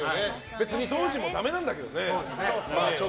別に当時もダメなんだけどね。